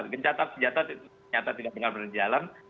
gencatan senjata ternyata tidak pernah berjalan